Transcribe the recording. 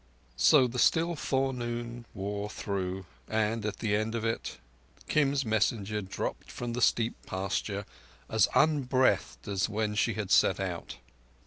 So the still forenoon wore through, and at the end of it Kim's messenger dropped from the steep pasture as unbreathed as when she had set out.